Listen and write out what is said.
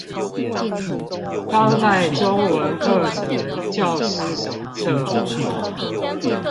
當代中文課程教師手冊